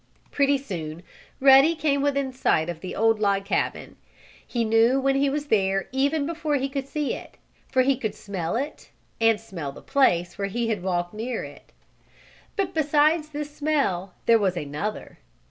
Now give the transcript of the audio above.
Pretty soon Ruddy came within sight of the old log cabin. He knew when he was there even before he could see it, for he could smell it, and smell the place where he had walked near it. But besides this smell there was another.